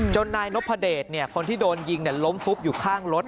นายนพเดชคนที่โดนยิงล้มฟุบอยู่ข้างรถ